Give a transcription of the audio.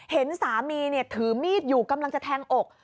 เห็นสามีถือมีดอยู่กำลังจะแทงอก